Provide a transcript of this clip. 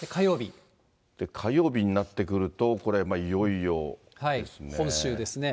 火曜日になってくると、これ、本州ですね。